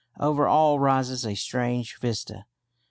Over all rises a strange vista.